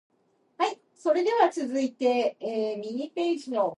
Submissions for the film portion may be made through Withoutabox.